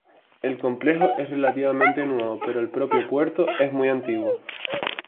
El complejo es relativamente nuevo, pero el propio puerto es muy antiguo.